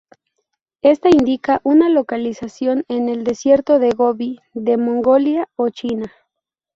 Esta indica una localización en el desierto de Gobi de Mongolia o China.